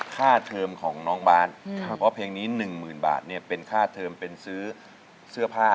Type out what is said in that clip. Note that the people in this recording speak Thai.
เทอมของน้องบาทเพราะเพลงนี้๑๐๐๐บาทเนี่ยเป็นค่าเทอมเป็นซื้อเสื้อผ้า